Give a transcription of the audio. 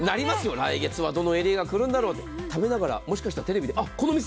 来月はどのエリアが来るんだろう、食べながら、もしかして、テレビでこの店！